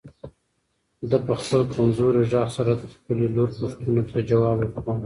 ده په خپل کمزوري غږ سره د خپلې لور پوښتنو ته ځواب ورکاوه.